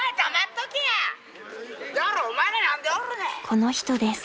［この人です］